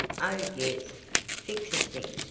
Oh yes. Fixes things.